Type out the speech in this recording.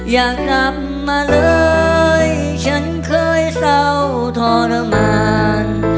อยากกลับมาเลยฉันเคยเศร้าทรมาน